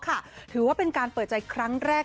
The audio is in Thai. ถือว่าเป็นการเปิดใจครั้งแรก